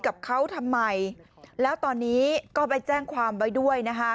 กับเขาทำไมแล้วตอนนี้ก็ไปแจ้งความไว้ด้วยนะคะ